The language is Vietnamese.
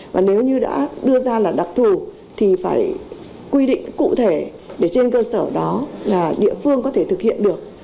và nếu như đã đưa ra là đặc thù thì phải quy định cụ thể để trên cơ sở đó là địa phương có thể thực hiện được